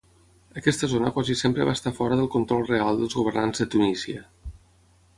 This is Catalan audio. Aquesta zona quasi sempre va estar fora del control real dels governants de Tunísia.